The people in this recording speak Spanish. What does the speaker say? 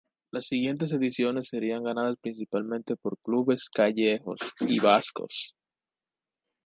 Las siguientes ediciones serían ganadas principalmente por clubes gallegos y vascos.